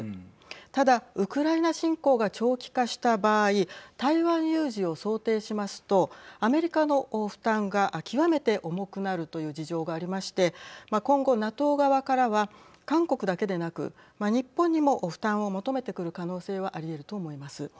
ただ、ウクライナ侵攻が長期化した場合台湾有事を想定しますとアメリカの負担が極めて重くなるという事情がありまして今後ＮＡＴＯ側からは韓国だけでなく日本にも負担を求めてくる可能性はありえると思います。